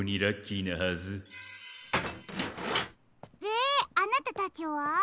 であなたたちは？